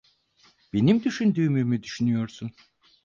Benim düşündüğümü mü düşünüyorsun?